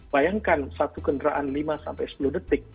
bayangkan satu kendaraan lima sampai sepuluh detik